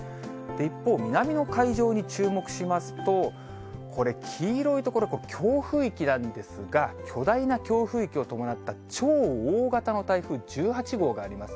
一方、南の海上に注目しますと、これ、黄色い所、強風域なんですが、巨大な強風域を伴った、超大型の台風１８号があります。